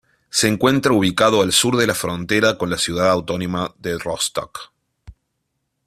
Se encuentra ubicado al sur de la frontera con la ciudad autónoma de Rostock.